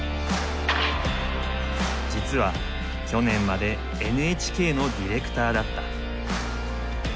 実は去年までＮＨＫのディレクターだった。